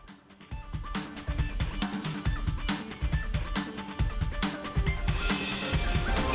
terima kasih pak idris